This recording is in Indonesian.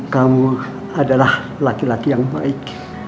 kamu adalah laki laki yang baik